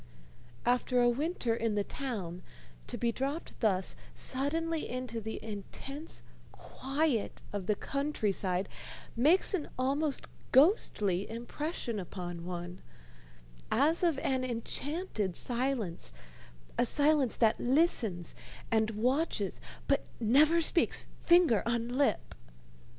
After a winter in the town, to be dropped thus suddenly into the intense quiet of the country side makes an almost ghostly impression upon one, as of an enchanted silence, a silence that listens and watches but never speaks, finger on lip.